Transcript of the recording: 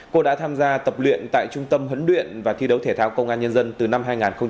cô đã tham gia tập luyện tại trung tâm hấn đuyện và thi đấu thể thao công an nhân dân từ năm hai nghìn một mươi hai